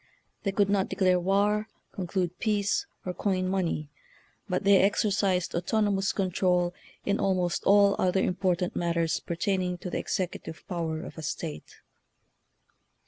They could not declare war, conclude peace, or coin money, but they exercised autonomous control in almost all other important matters pertaining to the executive power of a state.